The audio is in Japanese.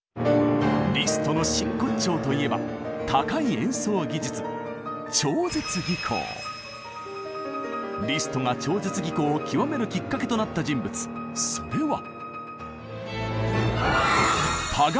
リストの真骨頂といえば高い演奏技術リストが超絶技巧をきわめるきっかけとなった人物それは。